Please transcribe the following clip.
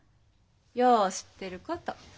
よう知ってること。